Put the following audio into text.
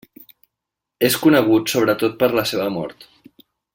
És conegut, sobretot per la seva mort.